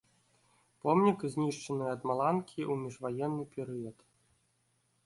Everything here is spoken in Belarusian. Помнік знішчаны ад маланкі ў міжваенны перыяд.